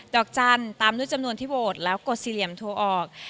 ดอกจันทร์ตามด้วยจำนวนที่โหวตแล้วกดสี่เหลี่ยมโทรออก